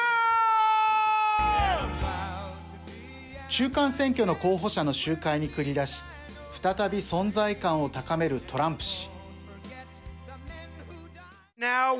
中間選挙の候補者の集会に繰り出し再び存在感を高めるトランプ氏。